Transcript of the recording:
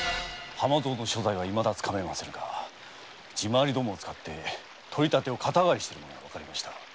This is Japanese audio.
浜蔵の所在はまだつかめませぬが地回りどもを使って取り立てを肩代わりしている者がわかりました。